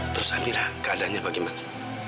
terus amira keadanya bagaimana